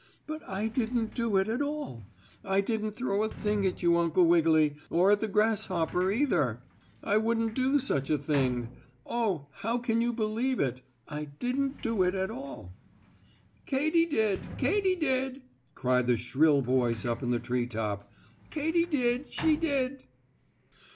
But I didn't do it at all. I didn't throw a thing at you, Uncle Wiggily, or at the grasshopper either. I wouldn't do such a thing. Oh, how can you believe it? I didn't do it at all." "Katy did! Katy did!" cried the shrill voice up in the tree top. "Katy did she did!"